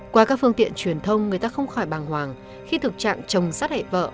qua các phương tiện truyền thông người ta không khỏi bàng hoàng khi thực trạng chồng sát hại vợ